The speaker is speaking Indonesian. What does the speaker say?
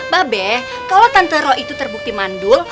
babek kalo tante ro itu terbukti mandul